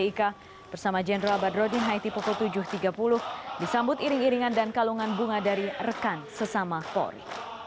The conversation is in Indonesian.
ika bersama jenderal badrodin haiti pukul tujuh tiga puluh disambut iring iringan dan kalungan bunga dari rekan sesama polri